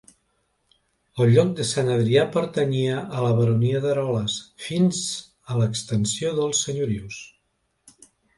El lloc de Sant Adrià pertanyia a la baronia d'Eroles, fins a l'extinció dels senyorius.